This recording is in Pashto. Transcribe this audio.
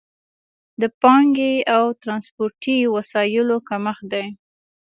د پانګې او ترانسپورتي وسایلو کمښت دی.